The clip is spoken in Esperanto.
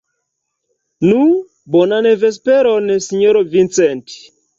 Nu, bonan vesperon, sinjoro Vincent.